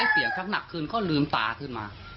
เสียงชักหนักขึ้นก็ลืมตาขึ้นมา